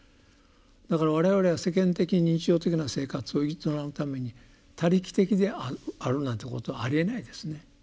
だから我々は世間的に日常的な生活を営むために他力的であるなんていうことはありえないですね。